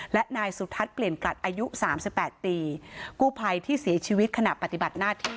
และนายสุทัศน์เปลี่ยนกลัดอายุสามสิบแปดปีกู้ภัยที่เสียชีวิตขณะปฏิบัติหน้าที่